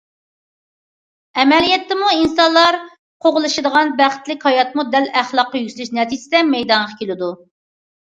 ئەمەلىيەتتىمۇ ئىنسانلار قوغلىشىدىغان بەختلىك ھاياتمۇ دەل ئەخلاقتا يۈكسىلىش نەتىجىسىدە مەيدانغا كېلىدۇ.